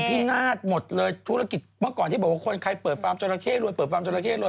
พินาศหมดเลยธุรกิจเมื่อก่อนที่บอกว่าคนใครเปิดฟาร์มจราเข้รวยเปิดฟาร์จราเข้รวย